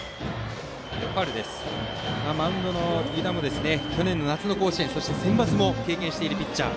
マウンドの湯田も去年の夏の甲子園そしてセンバツも経験しているピッチャー。